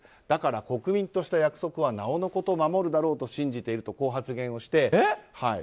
だから、国民とした約束はなおのこと守るだろうとこう発言をして。